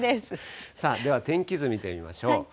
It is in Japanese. さあ、では天気図見てみましょう。